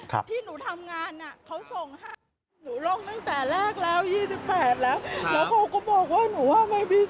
ต่อแล้วเมื่อวานเนี่ยมันเด้งมาบอกว่าหนูก็ยังอยู่ในประการสัมภัณฑ์